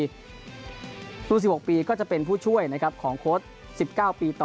รุ่น๑๖ปีก็จะเป็นผู้ช่วยของโค้ช๑๙ปีต่อ